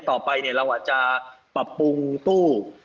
ต่อไปเราอาจจะปรับปรุงตู้